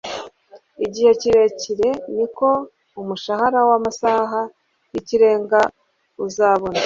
igihe kirekire, niko umushahara w'amasaha y'ikirenga uzabona